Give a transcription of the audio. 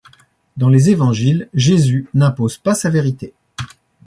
Dans les évangiles, Jésus n'impose pas sa vérité.